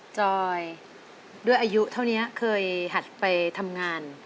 จอยด้วยอายุเท่านี้เคยหัดไปทำงาน